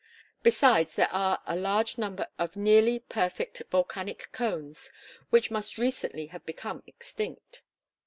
Besides there are a large number of nearly perfect volcanic cones which must recently have become extinct.